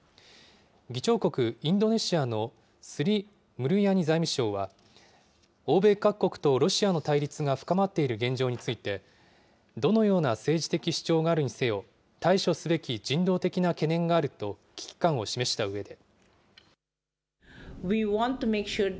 議長国、インドネシアのスリ・ムルヤニ財務相は、欧米各国とロシアの対立が深まっている現状について、どのような政治的主張があるにせよ、対処すべき人道的な懸念があると危機感を示したうえで。